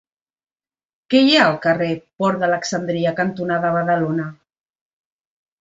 Què hi ha al carrer Port d'Alexandria cantonada Badalona?